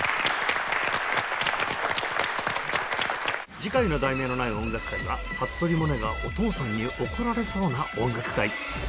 次回の『題名のない音楽会』は「服部百音がお父さんに怒られそうな音楽会」